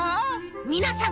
みなさん